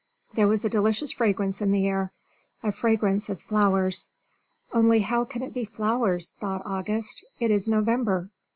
There was a delicious fragrance in the air a fragrance as flowers. "Only how can it be flowers?" thought August. "It is November!"